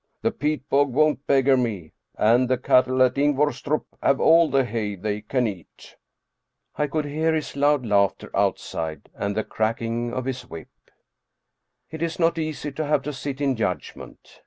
The peat bog won't beggar me, and the cattle at Ingvorstrup have all the hay they can eat." I could hear his loud laughter outside and the cracking of 281 Scandinavian Mystery Stories his whip. It is not easy to have to sit in judgment.